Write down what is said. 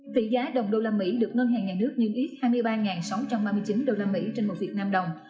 vị giá đồng đô la mỹ được ngân hàng nhà nước như ít hai mươi ba sáu trăm ba mươi chín đô la mỹ trên một việt nam đồng